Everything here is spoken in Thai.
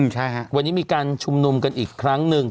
ใช่ฮะวันนี้มีการชุมนุมกันอีกครั้งหนึ่ง